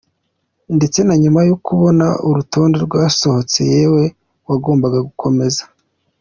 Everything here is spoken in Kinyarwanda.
Ndetse na nyuma yo kubona urutonde rwasohotse yewe, wagomba kukomeza.